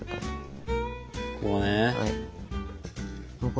こうね。